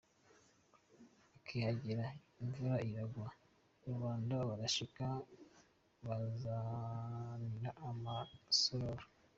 Bakihagera imvura iragwa ,Rubanda barashika babazanira amasororo .